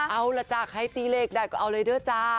เอาล่ะจ้ะใครตีเลขได้ก็เอาเลยเด้อจ้า